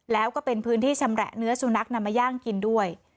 แล้วก็เป็นพื้นที่ชำแหละเนื้อสุนัขนำมาย่างกินด้วย